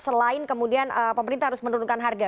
selain kemudian pemerintah harus menurunkan harga